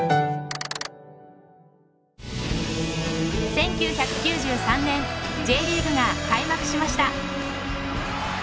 １９９３年Ｊリーグが開幕しました。